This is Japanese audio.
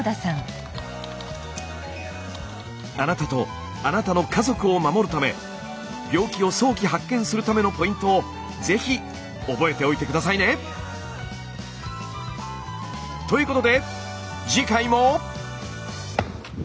あなたとあなたの家族を守るため病気を早期発見するためのポイントを是非覚えておいて下さいね。ということで次回も。